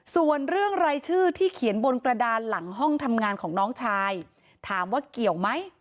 ส่วนเรื่องรายชื่อที่เขียนบนกระดานหลังห้องทำงานของน้องชายถามว่าเกี่ยวไหม